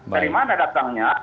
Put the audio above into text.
dari mana datangnya